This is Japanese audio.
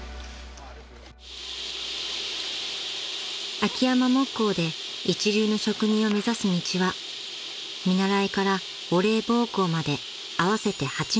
［秋山木工で一流の職人を目指す道は見習いからお礼奉公まで合わせて８年］